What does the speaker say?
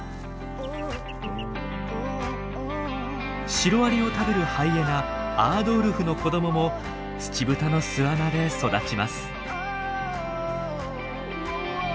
シロアリを食べるハイエナアードウルフの子どももツチブタの巣穴で育ちます。